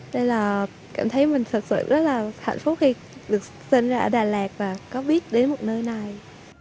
nên là cảm thấy mình thật sự rất là hạnh phúc khi được sinh ra ở đà lạt và có biết đến một nơi này